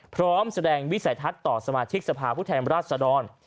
พร้อมแสดงวิสัยทัศน์ต่อสมาชิกสภาพผู้แทนราชดร